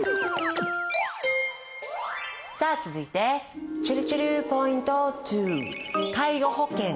さあ続いてちぇるちぇるポイント２。